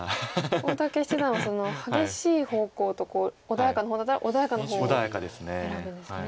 大竹七段は激しい方向と穏やかな方だったら穏やかな方を選ぶんですね。